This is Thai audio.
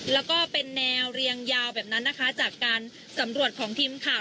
แล้วก็เป็นแนวเรียงยาวแบบนั้นนะคะจากการสำรวจของทีมข่าว